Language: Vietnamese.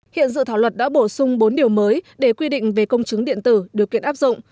hiện dự thảo luật đã bổ sung bốn điều mới để quy định về công chứng điện tử điều kiện áp dụng